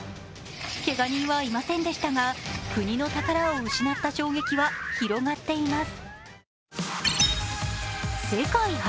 けが人はいませんでしたが国の宝を失った衝撃は広がっています。